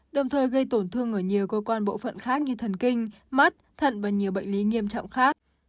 đồng thời gây tổn thương ở nhiều cơ quan bộ phận khác như thần kinh mắt thận và nhiều bệnh lý nghiêm trọng khác